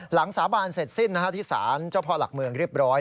สาบานเสร็จสิ้นที่สารเจ้าพ่อหลักเมืองเรียบร้อย